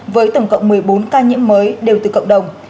với tổng cộng một mươi bốn ca nhiễm mới đều từ cộng đồng